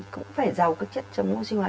cũng phải giàu các chất chống oxy hóa